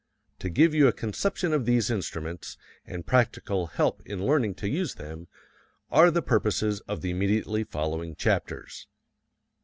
To give you a conception of these instruments, and practical help in learning to use them, are the purposes of the immediately following chapters.